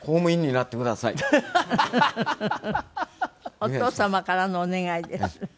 お父様からのお願いです。